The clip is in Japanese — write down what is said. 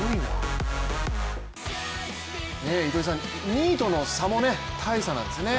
２位との差も大差なんですよね。